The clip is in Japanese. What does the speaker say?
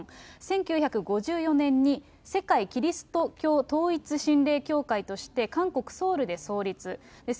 １９５４年に世界基督教統一神霊教会として、韓国・ソウルで創立。